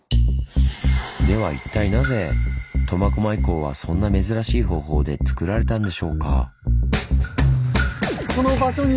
では一体なぜ苫小牧港はそんな珍しい方法でつくられたんでしょうか？